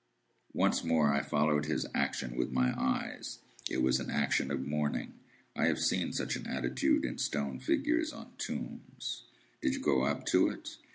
Once more I followed his action with my eyes. It was an action of mourning. I have seen such an attitude in stone figures on tombs. "Did you go up to it?"